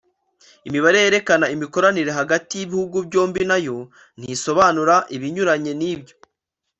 Imibare yerekana imikoranire hagati y’ibihugu byombi nayo ntisobanura ibinyuranye n’ibyo